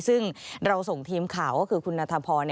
ซึ่งเราส่งทีมข่าวก็คือคุณนัทพร